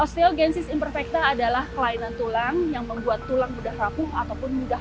osteogensis imperfecta adalah kelainan tulang yang membuat tulang mudah rapuh ataupun mudah